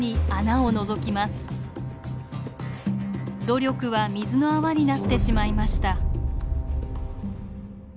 努力は水の泡になってしまいました。